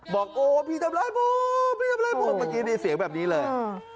บอกพี่แทบไล่บวกเมื่อกี้มีเสียงแบบนี้เลย